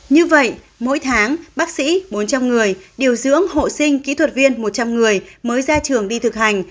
như vậy mỗi tháng bác sĩ bốn trăm linh người điều dưỡng hộ sinh kỹ thuật viên một trăm linh người mới ra trường đi thực hành